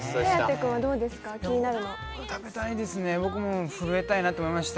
食べたいですね、僕も震えたいなって思いました。